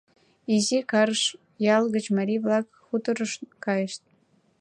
Изи Карыш ял гыч марий-влак хуторыш кайышт.